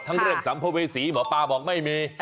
ทั้งเรื่องสัมโภเวศีหมอป้าบอกไม่มี